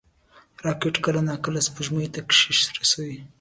راکټ کله ناکله سپوږمۍ ته کښتۍ رسوي